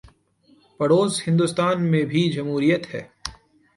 پڑوس ہندوستان میں بھی جمہوریت ہے۔